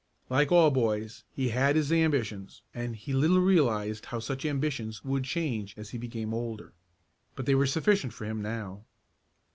Like all boys he had his ambitions, and he little realized how such ambitions would change as he became older. But they were sufficient for him now.